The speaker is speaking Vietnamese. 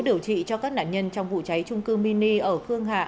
điều trị cho các nạn nhân trong vụ cháy trung cư mini ở khương hạ